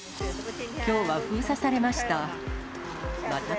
きょうは封鎖されました。